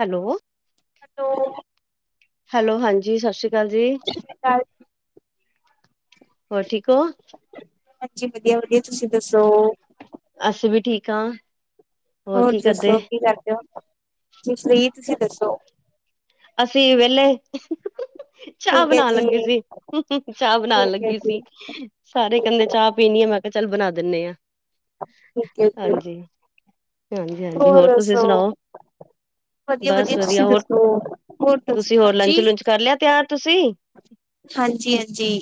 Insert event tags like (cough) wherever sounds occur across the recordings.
Hello. Hello, ਸਤਿ ਸ਼੍ਰੀ hello ਹਾਂਜੀ ਸਤਿ ਸ੍ਰੀ ਕਾਲ ਜੀ। ਅਕਾਲ। ਹੋਰ, ਠੀਕ ਹੋ? ਹਾਂਜੀ, ਵਧੀਆ ਵਧੀਆ। ਤੁਸੀਂ ਦੱਸੋ? ਅਸੀਂ ਵੀ ਠੀਕ ਹਾਂ। ਹੋਰ ਕੀ ਦੱਸੋ, ਕਰਦੇ? ਕੀ ਕਰਦੇ ਹੋ? ਤੁਸੀਂ ਦੱਸੋ? ਅਸੀਂ ਵੇਲੇ। ਚਾਹ ਠੀਕ ਹੈ ਬਣਾਣ ਜੀ, ਲੱਗੀ ਸੀ, ਚਾਹ ਠੀਕ ਬਣਾਉਣ ਹੈ ਲੱਗੀ ਜੀ। ਸੀ। ਸਾਰੇ ਕੈੰਦੇ ਚਾਹ ਪੀਣੀ ਏ ਮੈਂ! ਚੱਲ ਬਣਾ ਦਿੰਦੇ ਆਂ। ਠੀਕ ਏ ਜੀ। ਤੇ ਹਾਂਜੀ- ਹਾਂਜੀ, ਹੋਰ ਤੁਸੀਂ ਸੁਣਾਓ? ਬਸ ਵਧੀਆ, ਹੋਰ? ਹੋਰ ਤੁਸੀਂ ਦੱਸੋ ਹੋਰ ਹਾਂਜੀ, ਲੰਚ-ਲੁੰਚ ਕਰ ਲਿਆ ਤਿਆਰ ਤੁਸੀਂ? ਹਾਂਜੀ- ਹਾਂਜੀ।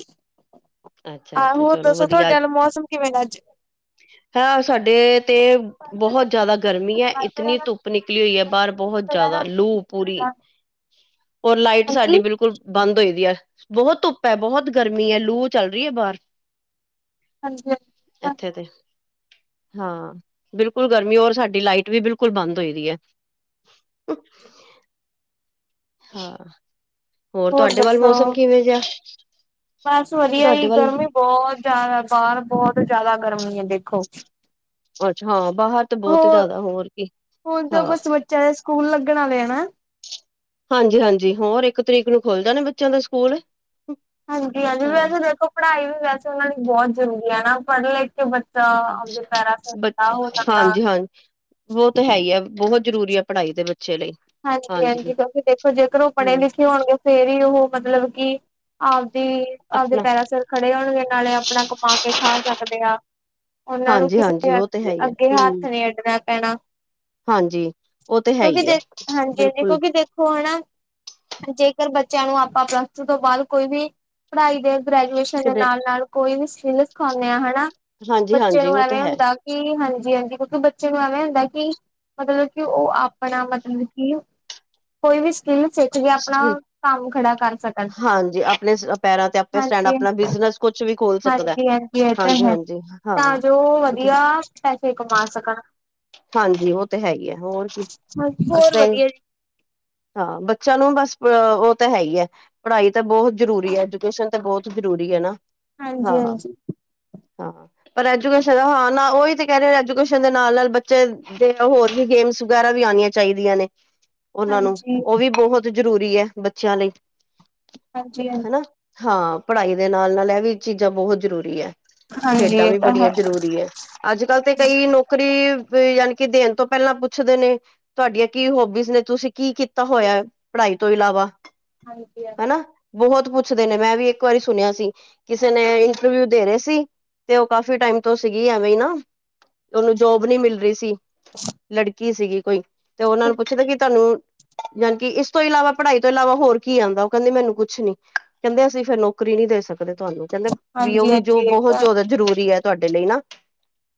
ਅੱਛਾ, ਅੱਛਾ ਆਹੋ, ਚਲੋ ਦੱਸੋ ਤੁਹਾਡੇ ਵਲ ਮੌਸਮ ਕਿਵੇਂ ਦਾ ਅੱਜ? ਤਾਂ, ਸਾਡੇ ਤੇ ਬਹੌਤ ਜ਼ਿਆਦਾ ਗਰਮੀ ਹੈ, ਇਤਨੀ ਧੁੱਪ ਨਿਕਲੀ ਹੋਈ ਹੈ ਬਾਰ ਬਹੁਤ ਬਹੁਤ ਜ਼ਿਆਦਾ ਲੂ ਪੂਰੀ, ਔਰ ਲਾਈਟ ਹਾਂਜੀ, ਸਾਡੀ ਬਿਲਕੁਲ ਬੰਦ? ਸਵੇਰ ਦੀ ਅੱਜ- ਬਹੁਤ ਧੁੱਪ ਐ, ਬਹੁਤ ਗਰਮੀ ਐ, ਲੂ ਚੱਲ ਰਹੀ ਹੈ ਬਾਹਰ। ਹਾਂਜੀ। ਐੱਥੇ ਤੇ। ਹਾਂ, ਬਿਲਕੁਲ ਗਰਮੀ, ਔਰ ਸਾਡੀ ਲਾਈਟ ਵੀ ਬਿਲਕੁਲ ਬੰਦ ਹੋਈ ਰਹੀ ਹੈ। ਤੇ (unintelligible) ਹੋਰ ਤੁਹਾਡੇ ਵੱਲ, ਮੌਸਮ ਕਿਵੇਂ ਜਿਹਾ ਹੈ। ਬਸ ਵਧੀਆ ਹੀ। ਗਰਮੀ ਬਹੁਤ ਜ਼ਿਆਦਾ ਬਾਹਰ ਬਹੁਤ ਜ਼ਿਆਦਾ ਗਰਮੀ ਹੈ ਦੇਖੋ। ਅੱਛਾ! ਬਾਹਰ ਤੇ ਬਹੁਤ ਜ਼ਿਆਦਾ ਹੋਰ ਕੀ ਹੁਣ ਤਾਂ ਹਾਂ! ਬਸ ਬੱਚਿਆਂ ਦੇ ਸਕੂਲ ਲੱਗਣ ਵਾਲੇ ਆ ਨਾ। ਹਾਂਜੀ ਹਾਂਜੀ ਹੋਰ ਇੱਕ ਤਰੀਕ ਨੂੰ ਖੁੱਲ ਜਾਣੇ ਬੱਚਿਆਂ ਦੇ ਸਕੂਲ। ਹਾਂਜੀ- ਹਾਂਜੀ ਹਾਂ ਵੈਸੇ ਦੇਖੋ ਪੜ੍ਹਾਈ ਵੀ ਵੈਸੇ, ਉਹਨਾਂ ਲਈ ਬਹੁਤ ਜ਼ਰੂਰੀ ਹੈ। ਪੜ੍ਹ ਲਿਖ ਕੇ? ਅਪਨੇ ਪੈਰਾ ਤੇ ਖੜਾ ਹੋ ਜਾਂਦਾ। ਦੋ ਤੇ ਹੈ ਹੀ ਹੈ। ਬਹੁਤ ਜ਼ਰੂਰੀ ਹੈ, ਪੜ੍ਹਾਈ ਦੇ ਵਿੱਚ। ਹਾਂਜੀ- ਹਾਂਜੀ ਕਿਉਂਕਿ ਦੇਖੋ ਜੇਕਰ ਉਹ ਪੜ੍ਹੇ ਹਮ ਲਿਖੇ ਹੋਣਗੇ, ਫਿਰ ਹੀ ਉਹ ਮਤਲਬ ਕਿ ਆ? ਵੀ ਆਪਦੇ ਆਪਣਾ ਪੈਰਾਂ ਸਿਰ ਖੜੇ ਹੋਣਗੇ। ਨਾਲੇ ਆਪਣਾ ਕਮਾ ਕੇ ਖਾ ਸਕਦੇ ਆ। ਉਹਨਾਂ ਨੂੰ ਹਾਂਜੀ ਹਾਂਜੀ ਕਿਸੇ ਉਹ ਤੇ ਹੈ ਹੀ ਹੈ ਅੱਗੇ ਹਮ ਹੱਥ ਨਹੀਂ ਅੱਡਣਾ ਪੈਣਾ। ਹਾਂਜੀ ਉਹ ਤੇ ਹੈ ਕਿਉਂਕਿ ਹੀ ਹੈ। ਜੇ ਹਾਂਜੀ- ਹਾਂਜੀ ਬਿਲਕੁਲ ਕਿਉਂਕਿ ਦੇਖੋ ਹੈਨਾ ਜੇ? ਅੱਜ ਕੱਲ ਬੱਚਿਆਂ ਨੂੰ ਆਪਾਂ ਬ੍ੰਚ ਤੋਂ ਬਾਅਦ ਕੋਈ ਵੀ ਪੜ੍ਹਾਈ ਦੇ ਗ੍ਰੈਜੂਏਸ਼ਨ ਦੇ ਨਾਲ- ਨਾਲ ਕੋਈ ਵੀ ਸਿਖਾਉਂਦੇ ਆ ਹੈਨਾ ਬੱਚੇ ਹਾਂਜੀ-ਹਾਂਜੀ ਨੂੰ ਉਹ ਤੇ ਐਵੇਂ ਹੈ। ਹੁੰਦਾ ਕਿ। ਹਾਂਜੀ, ਹਾਂਜੀ-ਹਾਂਜੀ ਕਿਉਂਕਿ ਬੱਚੇ ਨੂੰ ਐਵੇਂ ਹੁੰਦਾ ਕਿ। ਮਤਲਬ ਕਿ, ਉਹ ਆਪਣਾ ਮਤਲਬ ਕੋਈ ਵੀ ਸਕੀਮ ਸੱਚ ਵੀ ਆਪਣਾ ਕੰਮ ਖੜਾ ਕਰ ਸਕਣ। ਹਾਂਜੀ ਆਪਣੇ ਪੈਰਾਂ ਤੇ ਆਪੇ ਸਟੈਂਡ ਆਪਣਾ ਹਾਂਜੀ-ਹਾਂਜੀ। ਬਿਜਨਸ ਕੁਛ ਵੀ ਖੋਲ ਸਕਦਾ। ਹਾਂਜੀ-ਹਾਂਜੀ, ਇਹ ਤਾਂ ਹੈ, ਹਾਂਜੀ-ਹਾਂਜੀ ਹਾਂ ਤਾਂ ਜੋ ਉਹ ਤੇ ਵਧੀਆ ਪੈਸੇ ਕਮਾ ਸਕਣ। ਹਾਂਜੀ, ਉਹ ਤੇ ਹੈ ਹੀ ਹੈ। ਹੋਰ ਕੀ ਅਸੀ ਹੋਰ ਤੇ, ਵਧੀਆ ਜੀ ਹਾਂ ਬੱਚਿਆਂ ਨੂੰ ਬਸ, ਅ ਉਹ ਤਾਂ ਹੈ ਹੀ ਹੈ। ਪੜ੍ਹਾਈ ਤਾਂ ਬਹੁਤ ਜ਼ਰੂਰੀ ਹੈ। ਐਜੂਕੇਸ਼ਨ ਤਾਂ ਬਹੁਤ ਜ਼ਰੂਰੀ ਹੈ ਨਾ। ਹਾਂਜੀ ਹਾਂ-ਹਾਂ। -ਹਾਂਜੀ। ਪਰ ਐਜੂਕੇਸ਼ਨ ਹਾਂ ਨਾ, ਉਹੀ ਤੇ ਕਹਿ ਰਹੇ। ਐਜੂਕੇਸ਼ਨ ਦੇ ਨਾਲ ਨਾਲ? ਬੱਚੇ ਦੇ-ਹੋਰ ਵੀ ਗੇਮਸ ਵਗੈਰਾ ਵੀ ਆਉਣੀਆਂ, ਚਾਹੀਦੀਆਂ ਨੇ ਉਹਨਾਂ ਨੂੰ। ਹਾਂਜੀ, ਉਹ ਵੀ ਬਹੁਤ ਜ਼ਰੂਰੀ ਹੈ। ਬੱਚਿਆਂ ਲਈ- ਹਾਂਜੀ- ਹਾਂਜੀ। ਹਨਾ ਹਾਂ ਪੜ੍ਹਾਈ ਦੇ ਨਾਲ, ਨਾਲ ਇਹ ਵੀ ਚੀਜ਼ਾਂ ਬਹੁਤ ਜ਼ਰੂਰੀ ਹੈ। ਹਾਂਜੀ ਖੇਡਾਂ ਇਹ ਵੀ ਤਾਂ ਬੜੀਆਂ ਹੈ। ਜਰੂਰੀ ਹੈ। ਅੱਜ ਕੱਲ ਤੇ ਕਈ ਨੌਕਰੀ ਯਾਨੀਕਿ ਦੇਣ ਤੋਂ ਪਹਿਲਾਂ ਪੁੱਛਦੇ ਨੇ। ਤੁਹਾਡੀਆਂ ਕੀ ਹੋਬੀਜ਼ ਨੇ, ਤੁਸੀਂ ਕੀ ਕੀਤਾ ਹੋਇਆ ਪੜ੍ਹਾਈ ਇ ਤੋਂ ਇਲਾਵਾ ਹਾਂਜੀ ਹ ਹਨਾ ਬਹੁਤ ਪੁੱਛਦੇ ਨੇ ਮੈਂ ਵੀ ਇੱਕ ਵਾਰੀ ਸੁਣਿਆ ਸੀ ਕਿਸੇ ਨੇ ਇੰਟਰਵਿਊ ਦੇ ਰਹੇ ਸੀ। ਤੇ ਉਹ ਕਾਫੀ ਟਾਈਮ ਤੋਂ ਸੀਗੀ ਐਵੇਂ ਹੀ ਨਾ ਉਹਨੂੰ ਜੋਬ ਨੀ ਮਿਲਦ ਸੀ ਲੜਕੀ ਸੀਗੀ ਕੋਈ ਤੇ ਉਹਨਾਂ ਨੂੰ ਪੁੱਛਦਾ ਕਿ ਤੁਹਾਨੂੰ ਜਾਣੀ ਕਿ ਇਸ ਤੋਂ ਇਲਾਵਾ ਪੜ੍ਹਾਈ ਤੋਂ ਇਲਾਵਾ ਹੋਰ ਕੀ ਆਉਂਦਾ ਉਹ ਕਹਿੰਦੇ ਮੈਨੂੰ ਕੁੱਛ ਨੀ ਕਹਿੰਦੇ ਅਸੀਂ ਫਿਰ ਨੌਕਰੀ ਨਹੀਂ ਦੇ ਸਕਦੇ ਤੁਹਾਨੂੰ ਕਹਿੰਦੇ ਵੀ ਉਹ ਵੀ ਜੋ ਹਾਂਜੀ-ਹਾਂਜੀ ਇਹ ਬਹੁਤ ਤਾਂ ਜ਼ਿਆਦਾ ਜ਼ਰੂਰੀ ਏ। ਤੁਹਾਡੇ ਲਈ ਨਾ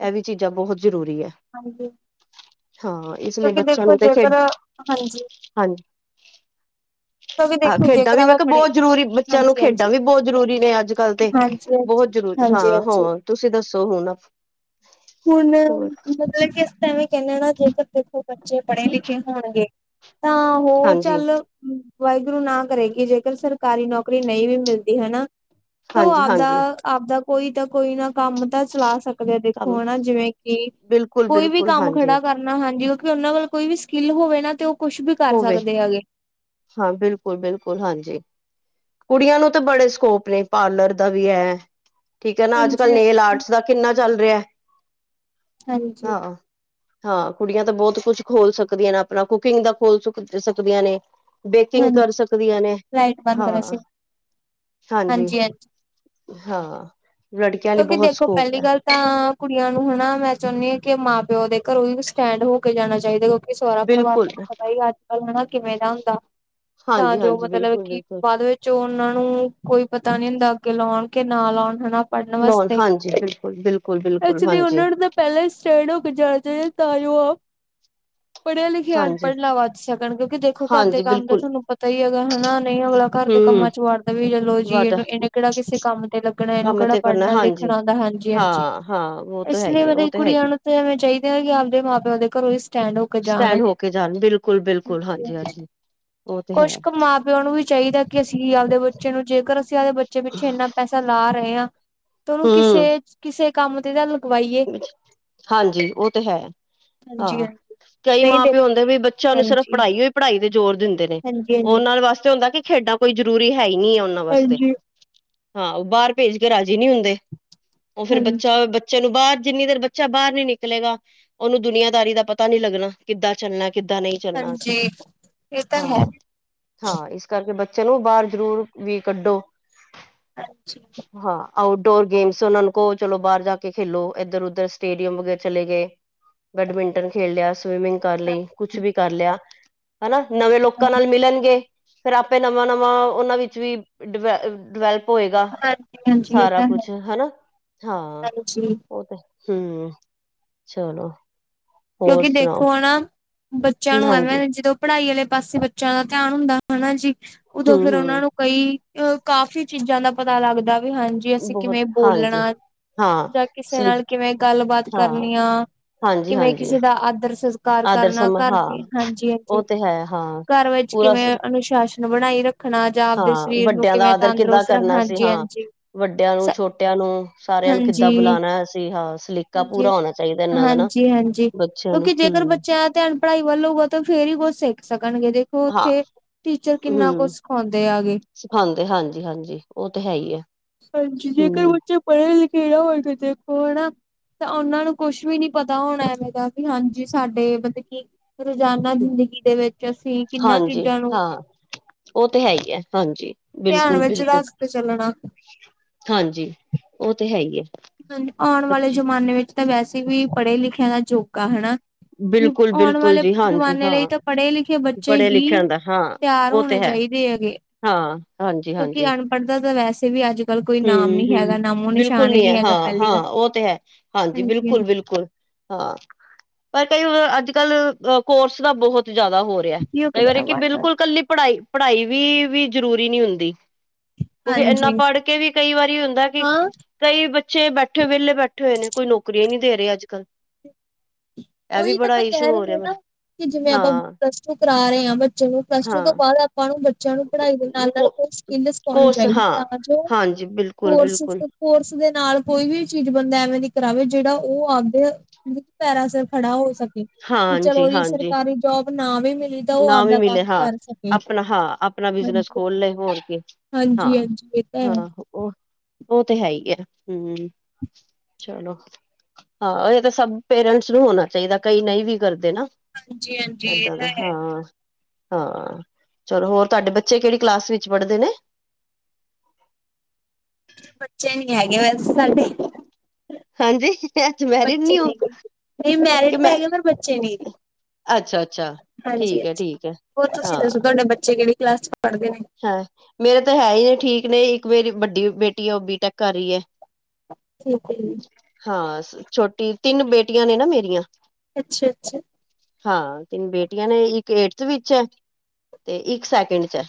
ਇਹ ਵੀ ਚੀਜ਼ਾਂ ਬਹੁਤ ਜ਼ਰੂਰੀ ਐ। ਹਾਂਜੀ ਹਾਂ ਇਸ ਲਈ ਕਿਉਂਕਿ ਬੱਚਿਆਂ ਦੇਖੋ ਨੂੰ ਤੇ ਜੇਕਰ ਖੇਡ ਹਾਂਜੀ ਹਾਂਜੀ। ਕਿਉਂਕਿ ਆਹ ਦੇਖੋ ਖੇਡਾਂ ਜੇਕਰ ਵੀ ਮੈਂ ਆਪਾਂ ਕਿਹਾ ਪੜ੍ਹੇ ਬਹੁਤ ਜ਼ਰੂਰੀ ਬੱਚਿਆਂ ਨੂੰ ਹਾਂਜੀ ਹਾਂਜੀ ਖੇਡਾਂ ਵੀ ਬਹੁਤ ਜ਼ਰੂਰੀ ਨੇ ਅੱਜ ਕੱਲ੍ਹ ਤੇ ਹਾਂਜੀ ਹਾਂਜੀ ਬਹੁਤ ਜ਼ਰੂਰੀ ਹਾਂਜੀ ਹਾਂ ਹੋ ਹਾਂਜੀ ਤੁਸੀਂ ਦੱਸੋ ਹੁਣ ਹੁਣ ਹੋਰ ਮਤਲਬ ਕਿ ਤਾਂ ਵੇਂ ਕਹਿੰਦੇ ਨਾ ਜੇਕਰ ਦੇਖੋ ਬੱਚੇ ਪੜ੍ਹੇ ਲਿਖੇ ਹੋਣਗੇ। ਤਾਂ ਹੋ ਹਾਂਜੀ ਚੱਲ ਵਾਹਿਗੁਰੂ ਨਾ ਕਰੇਗੀ ਜੇਕਰ ਸਰਕਾਰੀ ਨੌਕਰੀ ਨਹੀਂ ਵੀ ਮਿਲਦੀ ਹਨਾ। ਤ ਉਹ ਹਾਂਜੀ ਆਪਦਾ ਹਾਂਜੀ -ਆਪਦਾ ਕੋਈ ਤਾਂ ਕੋਈ ਨਾ ਕੰਮ ਤਾਂ ਚਲਾ ਸਕਦ ਅ ਕੰਮ ਦੇਖੋ ਹਨ ਨਾ ਜਿਵੇਂ ਕਿ ਬਿਲਕੁਲ ਕੋਈ ਵੀ ਬਿਲਕੁਲ ਕੰਮ ਹਾਂਜੀ ਖੜਾ ਕਰਨਾ ਹਾਂਜੀ ਕਿਉਂਕਿ ਉਹਨਾਂ ਵਲ ਕੋਈ ਵੀ ਸਕਿੱਲ ਹੋਵੇ ਨਾ ਤੇ ਉਹ ਕੁਛ ਵੀ ਕਰ ਹੋਵੇ ਸਕਦੇ ਹੈਗੇ। ਹਾਂ ਬਿਲਕੁਲ -ਬਿਲਕੁਲ ਹਾਂਜੀ ਕੁੜੀਆਂ ਨੂੰ ਤਾਂ ਬੜੇ ਸਕੋਪ ਨੇ ਪਾਰਲਰ ਦਾ ਵੀ ਹੈ। ਠੀਕ ਹੈ ਨਾ ਅੱਜ ਹਾਂਜੀ ਕਲ੍ਹ ਨੇਲ ਹਾਂਜੀ ਆਰਟਸ ਦਾ ਕਿੰਨਾ ਚੱਲ ਰਿਹਾ। ਹਾਂਜੀ ਹਾਂ ਹਾਂ ਕੁੜੀਆਂ ਤਾਂ ਬਹੁਤ ਕੁਛ ਖੋਲ ਸਕਦੀਆਂ ਨੇ ਆਪਣਾ ਕੁਕਿੰਗ ਦਾ ਖੋਲ ਸੁਕ ਸਕਦੀਆਂ ਨੇ। ਬੇਕਿੰਗ ਹਾਂਜੀ ਕਰ ਸਕਦੀਆਂ ਨੇ ਲਾਈਟ ਬੰਦ ਕਰਾ ਸੀ ਹਾਂ। ਹਾਂਜੀ -ਹਾਂਜੀ ਹਾਂ ਲੜਕਿਆਂ ਲਈ ਕਿਉਂਕਿ ਬਹੁਤ ਦੇਖੋ ਸਕੋਪ ਪਹਿਲੀ ਹੈ ਗੱਲ ਤਾਂ ਕੁੜੀਆਂ ਨੂੰ ਹਨਾ ਮੈਂ ਚਾਹੁੰਣੀ ਕਿ ਮਾਂ ਪਿਓ ਦੇ ਘਰੋਂ ਵੀ ਸਟੈਂਡ ਹੋ ਕੇ ਜਾਣਾ ਚਾਹੀਦਾ। ਸੋਹਰਾ ਪਰਿਵਾਰ ਬਿਲਕੁਲ ਤੁਹਾਨੂੰ ਪਤਾ ਹੀ ਅੱਜ ਕੱਲ ਹੈ ਕਿਵੇਂ ਦਾ ਹੁੰਦਾ। ਤਾਂ ਹਾਂਜੀ ਜੋ ਹਾਂਜੀ ਮਤਲਬ ਬਿਲਕੁਲ ਕਿ ਬਿਲਕੁਲ ਬਾਅਦ ਵਿੱਚ ਉਹਨਾਂ ਨੂੰ ਕੋਈ ਪਤਾ ਨੀ ਦਾ ਅੱਗੇ ਲਾਉਣ ਕੇ ਨਾ ਲਾਉਣ ਹਨਾ। ਲੋ ਹਾਂਜੀ ਬਿਲਕੁਲ ਬਿਲਕੁਲ ਬਿਲਕੁਲ ਐਕਚੁਲੀ ਹਾਂਜੀ ਉਹਨਾਂ ਦਾ ਪਹਿਲਾਂ ਈ ਸਟੇਂਟਡ ਹੋ ਕੇ ਜਾਣਾ ਚਾਹੀਦਾ ਤ ਜੋ ਆਪ ਪੜ੍ਹਿਆ ਲਿਖੇ ਹਾਂਜੀ ਅਨਪੜ੍ਹ ਨਾ ਵੱਜ ਸਕਣ ਕਿਉਂਕਿ ਦੇਖੋ ਘਰ ਦੇ ਹਾਂਜੀ ਤਾਂ ਬਿਲਕੁਲ ਤੁਹਾਨੂੰ ਪਤਾ ਹੀ ਹੈਗਾ ਹਨਾ ਨਹੀਂ ਅਗਲਾ ਘਰ ਦੇ ਹਮ ਕੰਮਾਂ 'ਚ ਵੱੜਦਾ ਵੀ ਚਲੋ ਜੀ ਵਾਟਾ ਇਹਨੂੰ ਇਹਨੇ ਕਿਹੜਾ ਕਿਸੇ ਕੰਮ ਤੇ ਲ ਲੱਗਣਾ ਇਹਨੂੰ ਕੰਮ ਕਿਹੜਾ ਤੇ ਕਰਨਾ ਪੜ੍ਹਨਾ ਹਾਂਜੀ ਲਿਖਣਾ ਆਉਂਦਾ ਹਾਂਜੀ- ਹਾਂਜੀ ਹਾਂ ਹਾਂ ਉਹ ਤਾਂ ਇਸ ਹੈ ਲਈ ਹੀ ਹੈ ਉਹ ਮਤਲਬ ਤਾਂ ਹੈ ਹੀ ਕੁੜੀਆਂ ਨੂੰ ਤਾਂਵੇ ਚਾਹੀਦੇ ਹੈ ਕਿ ਆਪਦੇ ਮਾਂ ਪਿਓ ਦੇ ਘਰੋਂ ਹੀ ਸਟੈਂਡ ਹੋ ਕੇ ਹੈ ਜਾਣ ਸਟੈਂਡ ਉਹ ਹੋ ਕੇ ਜਾਣ ਬਿਲਕੁਲ ਬਿਲਕੁਲ ਹਾਂਜੀ (inaudible) ਹਾਂਜੀ ਉਹ ਤੇ ਕੁਛ ਹੈ ਕੁ ਮਾਂ ਪਿਓ ਨੂੰ ਵੀ ਚਾਹੀਦਾ ਕਿ ਅਸੀਂ ਆਪਦੇ ਬੱਚੇ ਨੂੰ ਜੇਕਰ ਅਸੀ ਦੇ ਬੱਚੇ ਪਿੱਛੇ ਇੰਨਾ ਪੈਸਾ ਲਾ ਰਹੇ ਹਾਂ ਤੇ ਉਹਨੂੰ ਕਿਸੇ- ਕਿਸੇ ਕੰਮ ਤੇ ਤਾਂ ਲਗਵਾਈਏ ਅੱਛਾ ਹਾਂਜੀ ਉਹ ਤੇ ਹੈ। ਹਾਂਜੀ ਹਾਂ ਹਾਂਜੀ ਕਈ ਨਹੀਂ ਮਾਂ ਪਿਓ ਦੇਖੋ ਹੁੰਦੇ ਵੀ ਬੱਚਿਆਂ ਨੂੰ ਸਿਰਫ਼ ਹਾਂਜੀ ਪੜ੍ਹਾਈ ਹੋਈ ਪੜ੍ਹਾਈ ਦੇ ਜ਼ੋਰ ਦਿੰਦੇ ਨੇ ਹਾਂਜੀ ਉਹਨਾਂ ਵਾਸਤੇ ਹੁੰਦਾ ਕਿ ਖੇਡਾਂ ਕੋਈ ਜ਼ਰੂਰੀ ਹੈ ਹੀ ਨਹੀਂ ਹੈ ਉਹਨਾਂ ਵਾਸਤੇ ਹਾਂਜੀ ਹਾਂ ਉਹ ਬਾਹਰ ਭੇਜ ਕੇ ਰਾਜੀ ਨਹੀਂ ਹੁੰਦੇ ਉਹ ਫਿਰ ਹਾਂਜੀ ਹਾਂਜੀ ਬੱਚਾ ਬੱਚੇ ਨੂੰ ਬਾਹਰ ਜਿੰਨੀ ਦੇਰ ਬੱਚਾ ਬਾਹਰ ਨੀ ਨਿਕਲੇਗਾ ਉਹਨੂੰ ਦੁਨੀਆਂਦਾਰੀ ਦਾ ਪਤਾ ਨੀ ਲੱਗਣਾ ਕਿੱਦਾਂ ਚੱਲਣਾ। ਕਿੱਦਾਂ ਨਹੀਂ ਚੱਲਣਾ ਅਸੀ ਹਾਂਜੀ ਇਹ ਤਾਂ ਹੈ ਹਾਂ- ਹਾਂ ਇਸ ਕਰਕੇ ਬ ਚਲੋ ਬਾਹਰ ਜ਼ਰੂਰ ਵੀ ਕੱਢੋ। ਹਾਂਜੀ ਹਾਂ ਆਊਟਡੋਰ ਗੇਮਸ ਉਹਨਾਂ ਨੂੰ ਕੋਲ ਚਲੋ ਬਾਹਰ ਜਾ ਕੇ ਖੇਲੋ ਇੱਧਰ ਉਧਰ ਸਟੇਡੀਅਮ ਵਗੈ ਚਲੇ ਗਏ ਬੈਡਮਿੰਟਨ ਖੇਲ ਲਿਆ। ਸਵੀਮਿੰਗ ਕਰ ਲਈ ਕੁਛ ਹਾਂਜੀ ਵੀ ਕਰ ਲਿਆ, ਹਨਾ ਨਵੇਂ ਲੋਕਾਂ ਨਾਲ ਮਿਲਣਗੇ। ਫੇਰ ਆਪੇ ਨਵਾਂ- ਨਵਾਂ ਉਹਨਾਂ ਵਿੱਚ ਵੀ ਡਿ ਡਿਵੈਲਪ ਹੋਏਗਾ ਹਾਂਜੀ ਹਾਂਜੀ ਇਹ ਸਾਰਾ ਤਾਂ ਹੈ ਕੁਛ ਹਨਾ, ਹਾਂ। ਹਾਂਜੀ ਉਹ ਤੇ ਹੂੰ ਚਲੋ ਹੋਰ ਕਿਉਂਕਿ ਸੁਣਾਓ ਦੇਖੋ ਹਨਾ, ਬੱਚਿਆਂ ਨੂੰ ਹਾਂਜੀ ਐਵੇਂ ਜਦੋਂ ਪੜ੍ਹਾਈ ਵਾਲੇ ਪਾਸੇ ਬੱ ਬੱਚਿਆਂ ਦਾ ਧਿਆਨ ਹੁੰਦਾ ਹਨਾ ਜੀ, ਉਦੋਂ ਹਮ ਫੇਰ ਹਮ ਉਹਨਾਂ ਨੂੰ ਕਈ ਅ ਕਾਫ਼ੀ ਚੀਜ਼ਾਂ ਦਾ ਪਤਾ ਲੱਗਦਾ ਵੀ, ਹਾਂਜੀ ਅਸੀਂ ਬਹੁਤ ਕਿਵੇਂ ਹਾਂਜੀ ਬੋਲਣਾ। ਹਾਂ ਜਾਂ ਕਿਸੇ ਨਾਲ ਸਲੀਕ ਕਿਵੇਂ ਗੱਲਬਾਤ ਹਾਂ ਕਰਨੀ ਆ, ਹਾਂਜੀ ਕਿਵੇਂ ਹਾਂਜੀ ਕਿਸੇ ਦਾ ਆਦਰ ਸਸਕਾਰ ਆਦਰ ਕਰਨਾ ਸਮਾਂ ਘਰ, ਹਾਂ ਹਾਂਜੀ -ਹਾਂਜੀ ਉਹ ਤੇ ਹੈ ਹਾਂ ਘਰ ਵਿੱਚ ਪੂਰਾ ਕਿਵੇਂ ਸ- ਅਨੁਸ਼ਾਸਨ ਬਣਾਈ ਰੱਖਣਾ ਜਾਂ ਆਪਦੇ ਹਾਂ ਸਰੀਰ ਨੂੰ ਵੱਡਿਆਂ ਦਾ ਕਿਵੇਂ ਆਦਰ ਕਿੱਦਾਂ ਤੰਦਰੁਸਤ ਰੱਖਣਾ, ਕਰਨਾ ਸੀ ਹਾਂਜੀ ਹਾਂ -ਹਾਂਜੀ। ਵੱਡਿਆਂ ਨੂੰ ਛੋਟਿਆਂ ਨੂੰ ਸਾਰਿਆਂ ਨੂੰ ਕਿੱਦਾਂ ਹਾਂਜੀ ਬੁਲਾਉਣਾ ਅਸੀਂ, ਹਾਂ ਸਲੀਕਾ ਪੂਰਾ ਹੋਣਾ ਚਾਹੀਦਾ ਇਹਨਾਂ ਦਾ ਨਾ। ਜੀ ਹਾਂਜੀ ਬੱਚਿਆਂ ਨੂੰ ਕਿਉਂਕਿ ਜੇਕਰ ਹਮ ਬੱਚਿਆਂ ਧਿਆਨ ਪੜ੍ਹਾਈ ਵੱਲ ਹੋਊਗਾ, ਤਾਂ ਫੇਰ ਹੀ ਕੁਛ ਸਿੱਖ ਸਿੱਖਣਗੇ ਦੇਖੋ ਹਾਂ ਉੱਥੇ ਟੀਚਰ ਕਿੰਨਾ ਕੁਝ ਹੂੰ ਸਿਖਾਉਂਦੇ ਆ ਗੇ। ਸਿਖਾਂਦੇ ਹਾਂਜੀ-ਹਾਂਜੀ ਉਹ ਤੇ ਹੈ ਹੀ ਹੈ ਹਾਂਜੀ ਜੇਕਰ ਹੂੰ ਬੱਚੇ ਪੜ੍ਹੇ ਲਿਖੇ ਨਾ ਹੋਣਗੇ, ਦੇਖੋ ਹਨਾ ਤਾਂ ਉਹਨਾਂ ਨੂੰ ਕੁਛ ਵੀ ਨੀ ਪਤਾ ਹੋਣਾ, ਐਵੇਂ ਦਾ ਵੀ ਹਾਂਜੀ ਸਾਡੇ ਮਤਲਬ ਕੀ ਰੋਜ਼ਾਨਾ ਜ਼ਿੰਦਗੀ ਦੇ ਵਿੱਚ ਅਸੀਂ ਕਿਨਾਂ ਹਾਂਜੀ ਚੀਜ਼ਾਂ ਨੂੰ ਹਾਂ ਉਹ ਤੇ ਹੈ ਹੀ ਹੈ, ਹਾਂਜੀ। ਧਿਆਨ ਬਿਲਕੁਲ ਵਿੱਚ -ਬਿਲਕੁਲ ਰੱਖ ਕੇ ਚੱਲਣਾ। ਹਾਂਜੀ, ਉਹ ਤੇ ਹੈ ਹੀ ਹੈ। ਆਉਣ ਵਾਲੇ ਬੱਚੇ ਜਮਾਨੇ ਵਿੱਚ ਤਾਂ ਵੈਸੇ ਵੀ ਪੜ੍ਹੇ ਲਿਖਿਆ ਦਾ ਜੋੋਕਾ ਹਨਾ, ਆਉਣ ਬਿਲਕੁਲ-ਬਿਲਕੁਲ ਵਾਲੇ ਜੀ ਹਾਂਜੀ ਜਮਾਨੇ ਹਾਂ ਲਈ ਤਾਂ ਪੜੇ ਲਿਖੇ ਕਿ ਬੱਚੇ ਪੜ੍ਹੇ ਹੀ ਲਿਖਿਆਂ ਦਾ ਹਾਂ ਤਿਆਰ ਉਹ ਤੇ ਹੋਣੇ ਹੈ ਚਾਹੀਦੇ ਹੈਗੇ। ਹਾਂ ਕਿਉਂਕਿ ਹਾਂਜੀ-ਹਾਂਜੀ ਅਨਪੜ੍ਹ ਦਾ ਤਾਂ ਵੈਸੇ ਵੀ ਅੱਜ- ਕੱਲ ਕੋਈ ਨਾਮ ਨੀ ਹੈਗਾ, ਹੂੰ-ਹੂੰ ਨਾਮੋ ਬਿਲਕੁਲ ਨਿਸ਼ਾਨ ਹੀ ਨੀ ਨਹੀਂ ਹੈ ਹੈਗਾ ਪਹਿਲੀ ਹਾਂ-ਹਾਂ ਗੱਲ। ਉਹ ਤੇ ਹੈ, ਹਾਂਜੀ ਬਿਲਕੁਲ- ਬਿਲਕੁਲ ਹਾਂ, ਪਰ ਕਈ ਅੱਜ- ਕੱਲ ਕੋਰਸ ਦਾ ਬਹੁਤ ਜ਼ਿਆਦਾ ਹੋ ਓਕੇ ਕਈ ਵਾਰੀ ਕਿ ਬਿਲਕੁਲ ਕੱਲੀ ਪੜ੍ਹਾਈ- ਪੜ੍ਹਾਈ ਵੀ -ਵੀ ਜਰੂਰੀ ਨਹੀਂ ਹੁੰਦੀ। ਕਿਉਂਕਿ ਇੰਨਾ ਹਾਂਜੀ ਪੜ੍ਹ ਕੇ ਵੀ ਕਈ ਵਾਰੀ ਹੁੰਦਾ ਕਿ ਹਾਂ ਕਈ ਬੱਚੇ ਬੈਠੇ ਵਿਹਲੇ ਬੈਠੇ ਹੋਏ ਨੇ, ਕੋਈ ਨੌਕਰੀ ਹੀ ਨਈ। ਦੇ ਰਹੇ ਅੱਜ ਕੱਲ੍ਹ ਇਹ ਵੀ ਉਹੀ ਤਾਂ ਬੜਾ ਮੈਂ ਕਹਿ ਇਸ਼ੂ ਰਹੀ ਹੋ ਰਿਹਾ ਹਾਂ ਨਾ, ਮੇਰਾ ਕਿ ਜਿਵੇਂ ਆਪਾਂ ਹਾਂ ਦੱਸ ਕਰਾ ਰਹੇ ਹਾਂ ਬੱਚੇ ਨੂੰ, ਪਲੱਸ ਟੂ ਤੋਂ ਹਾਂ ਬਾਅਦ ਆਪਾਂ ਨੂੰ ਬੱਚਿਆਂ ਨੂੰ ਪੜ੍ਹਾਈ ਦੇ ਨਾਲ- ਕੋ ਨਾਲ ਕੋਈ ਸਕਿੱਲ ਸਿਖਾਉਣੀ ਕੋਰਸ ਚਾਹੀਦੀ, ਹਾਂ ਤਾਂ ਜੋ ਹਾਂਜੀ ਬਿਲਕੁਲ ਕੋਰਸਿਸ ਬਿਲਕੁਲ ਕੋਰਸ ਦੇ ਨਾਲ ਕੋਈ ਵੀ ਚੀਜ਼ ਬੰਦਾ ਐਵੇਂ ਦੀ ਕਰਾਵੇ, ਜਿਹੜਾ ਉਹ ਆਪਦੇ ਪੈਰਾਂ ਸਿਰ ਖੜਾ ਹੋ ਸਕੇ। ਵੀ ਚਲੋ ਜੀ ਸਰਕਾਰੀ ਜੋਬ ਨਾ ਵੀ ਮਿ ਨਾ ਵੀ ਮਿਲੇ ਹਾਂ, ਆਪਣਾ ਹਾਂ ਆਪਣਾ ਬਿਜਨਸ ਹਾਂਜੀ ਖੋਲ ਲਏ ਹੋਰ ਕੀ। ਹਾਂ ਹਾਂਜੀ ਹਾਂਜੀ ਇਹ ਤਾਂ ਹੈ -ਹਾਂ ਉਹ -ਉਹ ਤੇ ਹੈ ਹੀ ਐ ਹੂੰ। ਚਲੋ ਹਾਂ ਇਹ ਤਾਂ ਸਭ ਪੇਰੈਂਟਸ ਨੂੰ ਹੋਣਾ ਚਾਹੀਦਾ, ਕਈ ਨਹੀਂ ਵੀ ਕਰਦੇ। ਨਾ ਹਾਂਜੀ- ਹਾਂਜੀ ਇਹ ਏਦਾਂ ਦਾ ਤਾਂ ਹੈ ਹਾਂ, ਹਾਂ ਚਲੋ ਹੋਰ, ਤੁਹਾਡੇ ਬੱਚੇ ਕਿਹੜੀ ਕਲਾਸ ਵਿੱਚ ਪੜ੍ਹਦੇ ਨੇ। (inaudible) ਬੱਚੇ ਨੀ ਹੈਗੇ ਵੈਸੇ ਸਾਡੇ। ਹਾਂਜੀ ਅਜੇ ਮੈਰਿਡ ਬੱਚੇ ਨੀ ਹੋ ਨੇਗੇ ਨਹੀਂ ਕਿ ਮੈਰਿਡ ਮੈ ਤਾਂ ਹੈਗੇ ਪਰ ਬੱਚੇ ਨੀ ਗੇ ਅੱਛਾ- ਅੱਛਾ ਹਾਂਜੀ ਠੀਕ ਐ, ਹਾਂਜੀ ਠੀਕ ਐ ਹੋਰ ਤੁਸੀਂ ਹਾਂ। ਦੱਸੋ ਤੁਹਾਡੇ ਬੱਚੇ ਕਿਹੜੀ ਕਲਾਸ ਚ ਪੜ੍ਹਦੇ ਨੇ ਹੈ ਮੇਰੇ ਤਾਂ ਹੈ ਹੀ ਨੇ ਠੀਕ ਨੇ, ਇੱਕ ਮੇਰੀ ਵੱਡੀ ਬੇਟੀ ਹੈ ਉਹ ਬੀਟੈਕ ਕਰ ਰਹੀ ਹੈ। ਠੀਕ ਹੈ ਜੀ। ਹਾਂ ਛੋਟੀ ਤਿੰਨ ਬੇਟੀਆਂ ਨੇ ਨਾ ਮੇਰੀਆਂ। ਅੱਛਾ -ਅੱਛਾ। ਹਾਂ ਤਿੰਨ ਬੇਟੀਆਂ ਨੇ ਇੱਕ ਏਠਥ ਵਿੱਚ ਐ, ਤੇ ਇੱਕ ਸੈਕਿੰਡ ਚ ਐ।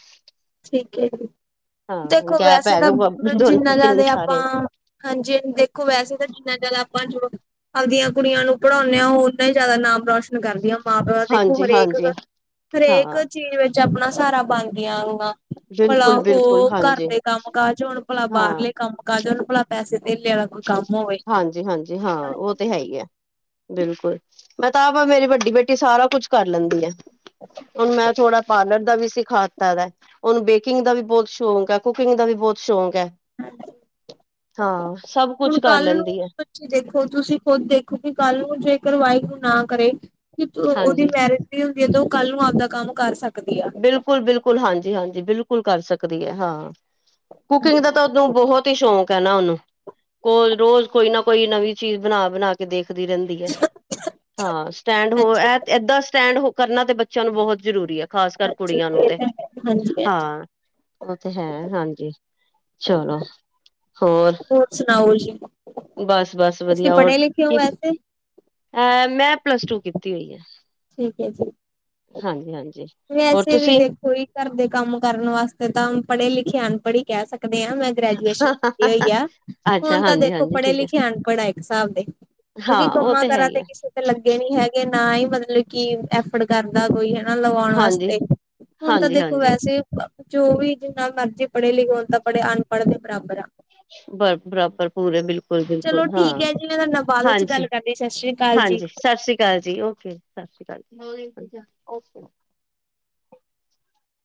ਠੀਕ ਹੈ ਜੀ। ਦੇਖੋ ਗੈਪ ਵੈਸੇ ਤਾਂ ਹੈਗਾ ਦੋਨੋ ਜਿੰਨਾ ਤਿੰਨ ਜ਼ਿਆਦਾ ਆਪਾਂ ਸਾਰਿਆਂ ਚ ਹਾਂਜੀ ਦੇਖੋ ਵੈਸੇ ਤਾਂ ਜਿੰਨਾ ਜ਼ਿਆਦਾ ਜੋ ਆਪਦੀਆਂ ਕੁੜੀਆਂ ਨੂੰ ਪੜ੍ਹਾਉਂਦੇ ਆ ਉਹ ਉਹਨਾ ਹੀ ਜ਼ਿਆਦਾ ਨਾਮ ਰੋਸ਼ਨ ਕਰਦੀਆਂ। (inaudible) ਮਾਂ ਪਿਓ, ਤਾਂ ਦੇਖੋ ਹਾਂਜੀ ਹਰੇਕ ਹਾਂਜੀ ਹਾਂ ਹਰੇਕ ਚੀਜ਼ ਵਿੱਚ ਆਪਣਾ, ਸਹਾਰਾ ਬਣਦੇ ਹਨ। ਭਲਾ ਬਿਲਕੁਲ ਬਿਲਕੁਲ ਉਹ, ਘਰ ਹਾਂਜੀ ਦੇ ਕੰਮ ਕਾਜ ਹੁਣ ਭਲਾ ਹਾਂ ਬਾਹਰਲੇ ਕੰਮ ਕਾਜ, ਹਣ ਭਲਾ ਪੈਸੇ (unintelligible) (inaudible) ਹਾਂਜੀ ਹਾਂਜੀ ਹਾਂ ਉਹ ਤੇ ਹੈ ਹੀ ਹੈ। ਬਿਲਕੁਲ, ਮੈਂ ਤਾਂ ਮੇਰੀ ਵੱਡੀ ਬੇਟੀ, ਸਾਰਾ ਕੁਝ ਕਰ ਲੈਂਦੀ ਆ। ਹੁਣ ਮੈਂ, ਥੋੜਾ ਪਾਰਲਰ ਐਂਵੀ ਸਿਖਾ ਤਾ ਹੈ ਉਹਨੂੰ ਬੇਕਿੰਗ ਦਾ, ਵੀ ਬਹੁਤ ਸ਼ੌਂਕ ਹੈ ਕੁਕਿੰਗ ਦਾ, ਵੀ ਬਹੁਤ ਸ਼ੌਕ ਹਾਂ, ਸਭ ਕੁਛ ਹੁਣ ਕਰ ਕੱਲ ਨੂੰ, ਲੈਂਦੀ ਹੈ ਬੱਚੀ ਦੇਖੋ ਤੁਸੀਂ ਖੁਦ ਦੇਖੋ ਕਿ ਕੱਲ ਨੂੰ ਜੇ ਵਾਹਿਗੁਰੂ ਨਾ ਕਰੇ ਕਿ ਉਹਦੀ ਹਾਂਜੀ ਮੈਰਿਜ ਵੀ ਹੁੰਦੀ ਹੈ ਤੇ ਉਹ ਕੱਲ ਨੂੰ ਆਪਦਾ ਕੰਮ ਕਰ ਸਕਦਾ। (unintelligible) ਬਿਲਕੁਲ ਬਿਲਕੁਲ ਹਾਂਜੀ ਹਾਂਜੀ ਬਿਲਕੁਲ, ਕਰ ਸਕਦੀ ਹੈ ਹਾਂ। ਕੁਕਿੰਗ ਦਾ ਤਾਂ ਉਸ ਨੂੰ ਬਹੁਤ ਹੀ ਸ਼ੌਕ ਹੈ, ਨਾ ਉਹਨੂੰ। ਕੋਲ ਰੋਜ਼, ਕੋਈ ਨਾ ਕੋਈ ਨਵੀਂ ਚੀਜ਼, ਬਣਾ ਬਣਾ ਕੇ ਦੇਖ ਪੜ੍ਹਦੀ ਰਹਿੰਦੀ ਆ, ਹਾਂ ਸਟੈਂਡ ਹੋ, ਹਾਂਜੀ ਏਦਾਂ ਸਟੈਂਡ ਹੋ ਕਰਨਾ ਤੇ ਬੱਚਿਆਂ ਨੂੰ ਬਹੁਤ ਜ਼ਰੂਰੀ ਹੈ? ਖ਼ਾਸ ਕਰ ਹਾਂਜੀ ਕੁੜੀਆਂ ਨੂੰ, ਇਹ ਤੇ ਤਾਂ ਹੈ ਹਾਂਜੀ ਹਾਂਜੀ ਹਾਂ ਉਹ ਤੇ ਹੈ, ਹਾਂਜੀ। ਚਲੋ, ਹੋਰ ਸੁਣਾਓ ਜੀ ਬਸ ਬਸ ਤੁਸੀਂ ਵਧੀਆ, ਹੋਰ ਪੜ੍ਹੇ ਲਿਖੇ ਹੋ ਕੀ ਵੈਸੇ ਅਹ ਮੈਂ ਪਲੱਸ ਟੂ ਕੀਤੀ ਹੋਈ ਏ? ਠੀਕ ਹੈ ਜੀ, ਹੋਰ ਵੈਸੇ ਵੀ ਤੁਸੀਂ ਦੇਖੋ, ਕਿ ਘਰ ਦੇ ਕੰਮ, ਕਰਨ ਵਾਸਤੇ ਤਾਂ ਪੜ੍ਹੇ ਲਿਖੇ, ਅਨਪੜ੍ਹ ਹੀ ਕਹਿ ਸਕਦੇ। ਮੈਂ ਗ੍ਰਜੂਏਸ਼ਨ ਕੀਤੀ ਹੋਈ ਆ, ਅੱਛਾ ਹੁਣ ਤਾਂ ਦੇਖੋ ਹਾਂਜੀ-ਹਾਂਜੀ ਪੜ੍ਹੇ ਠੀਕ ਹੈ ਲਿਖੇ ਅਨਪੜ੍ਹ, ਆ ਇੱਕ ਹਿਸਾਬ ਦੇ। ਹਾਂ ਕਿਉਂਕਿ ਉਹ ਕੰਮਾਂ ਹੈ ਕਾਂਰਾਂ ਹੀ ਤੇ ਹੈ ਕਿਸੇ ਤੇ ਲੱਗੇ ਨੀ ਹੈਗੇ, ਨਾ ਹੀ ਮਤਲਬ ਕਿ ਐਫਰਡ ਕਰਦਾ ਕੋਈ ਹਨਾ। ਲਵਾਉਣ ਹਾਂਜੀ ਵਾਸਤੇ? ਹਾਂਜੀ-ਹਾਂਜੀ ਜੋ ਵੀ ਜਿੰਨਾ ਮਰਜ਼ੀ ਪੜ੍ਹੇ ਲਿਖੇ, ਹੁਣ ਤਾਂ ਅਨਪੜ ਦੇ ਬਰਾਬਰ ਆ, ਬ ਬਰਾਬਰ ਪੂਰੇ ਚਲੋ ਬਿਲਕੁਲ-ਬਿਲਕੁਲ, ਹਾਂ ਠੀਕ ਹੈ ਜੀ ਮੈਂ ਤੁਹਾਡੇ ਨਾਲ ਬਾਅਦ ਵਿੱਚ ਗੱਲ ਕਰਦੀ ਸਤਿ ਸ੍ਰੀ ਅਕਾਲ ਜੀ ਹਾਂਜੀ-ਹਾਂਜੀ ਸਤਿ ਸ਼੍ਰੀ ਅਕਾਲ ਜੀ। ਓਕੇ ਸਤਿ ਸ਼੍ਰੀ ਅਕਾਲ। ਹੋ ਵਧੀਆ ਓਕੇ, (unintelligible)